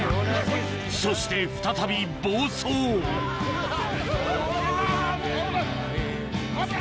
そして再び暴走うわ！